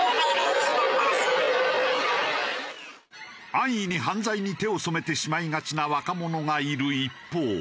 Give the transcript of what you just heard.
安易に犯罪に手を染めてしまいがちな若者がいる一方